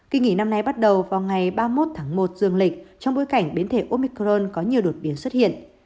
kỳ nghỉ năm nay bắt đầu vào ngày ba mươi một tháng một dương lịch trong bối cảnh biến thể omicron có nhiều đột biến xuất hiện